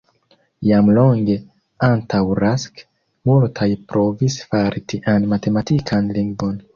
Jam longe antaŭ Rask multaj provis fari tian matematikan lingvon.